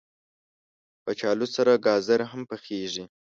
کچالو سره ګازر هم پخېږي